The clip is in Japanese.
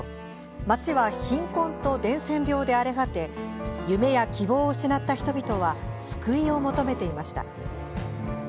街は貧困と伝染病で荒れ果て夢や希望を失った人々は救いを求めていました。